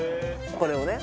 これをね。